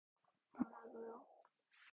뭐라구요?